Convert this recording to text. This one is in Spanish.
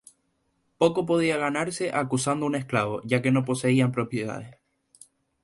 Poco podía ganarse acusando a un esclavo, ya que no poseían propiedades.